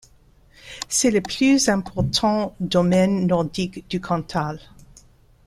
C'est le plus important domaine nordique du Cantal.